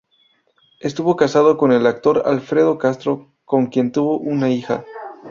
Estuvo casada con el actor Alfredo Castro, con quien tuvo una hija.